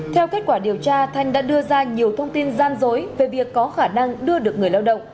theo kết quả điều tra thanh đã đưa ra nhiều thông tin gian dối về việc có khả năng đưa được người lao động